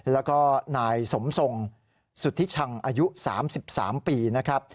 แล้วก็นายสมทรงสุธิชังอายุ๓๓ปีนะครับ